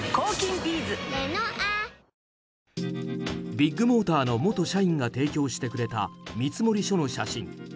ビッグモーターの元社員が提供してくれた、見積書の写真。